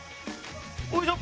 よいしょ！